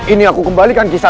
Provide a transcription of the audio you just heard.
ini aku kembalikan kisah